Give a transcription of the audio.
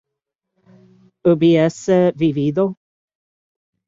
¿hubiese vivido?